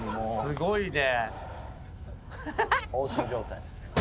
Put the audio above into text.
すごいね。